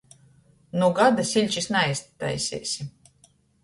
Nu gada siļčys naiztaiseisi!